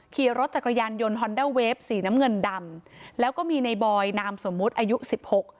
ขี่รถจักรยานยนต์ฮอนด้าเวฟสีน้ำเงินดำแล้วก็มีในบอยนามสมมุติอายุสิบหก